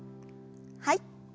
はい。